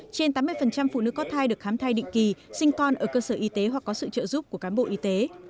trên tám mươi phụ nữ có thai được khám thai định kỳ sinh con ở cơ sở y tế hoặc có sự trợ giúp của cán bộ y tế